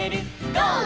ゴー！」